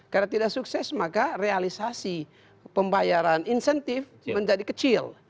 karena tidak sukses maka realisasi pembayaran insentif menjadi kecil